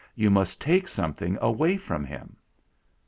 You must take something away from him."